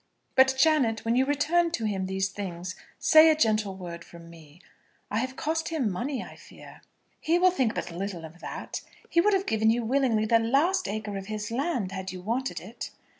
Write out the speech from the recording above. But, Janet, when you return to him these things say a gentle word from me. I have cost him money, I fear." "He will think but little of that. He would have given you willingly the last acre of his land, had you wanted it."